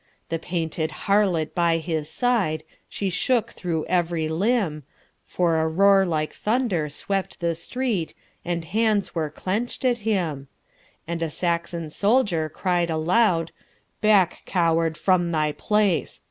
The painted harlot by his side, She shook through every limb, For a roar like thunder swept the street, And hands were clench'd at him; And a Saxon soldier cried aloud,"Back, coward, from thy place!